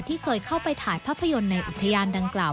ที่เคยเข้าไปถ่ายภาพยนตร์ในอุทยานดังกล่าว